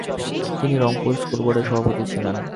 তিনি রংপুর স্কুলবোর্ডের সভাপতি ছিলেন।